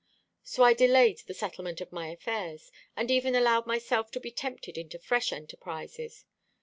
So I delayed the settlement of my affairs, and even allowed myself to be tempted into fresh enterprises.